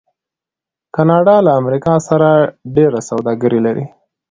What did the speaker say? کاناډا له امریکا سره ډیره سوداګري لري.